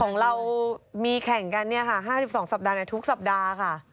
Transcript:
ของเรามีแข่งกัน๕๒สัปดาห์ในทุกสัปดาห์ค่ะ